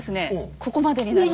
ここまでになります。